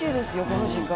この時間。